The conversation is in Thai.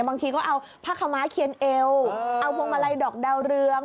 บางทีก็เอาผ้าขม้าเคียนเอวเอาพวงมาลัยดอกดาวเรือง